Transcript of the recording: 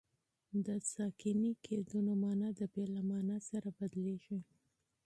د ساکني قیدونو مانا د فعل له مانا سره بدلیږي.